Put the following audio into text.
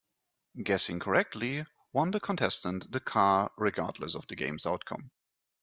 Guessing correctly won the contestant the car regardless of the game's outcome.